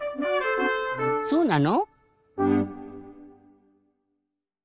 そうなの？